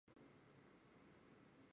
斯里兰卡隔保克海峡和印度相望。